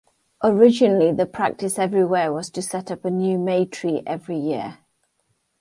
Originally the practice everywhere was to set up a new May-tree every year.